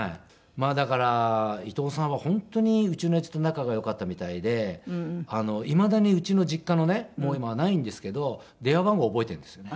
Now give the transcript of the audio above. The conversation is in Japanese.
まあだから伊東さんは本当にうちの親父と仲が良かったみたいでいまだにうちの実家のねもう今はないんですけど電話番号を覚えているんですよね。